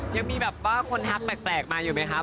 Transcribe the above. ยังมีแบบว่าคนทักแปลกมาอยู่ไหมครับ